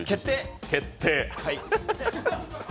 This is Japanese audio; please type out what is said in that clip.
決定！